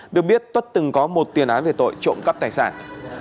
được biết tuấn từng có một tiền án về tội trộm cắp tài sản